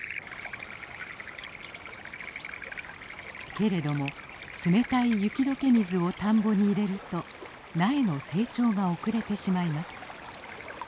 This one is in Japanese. けれども冷たい雪解け水を田んぼに入れると苗の成長が遅れてしまいます。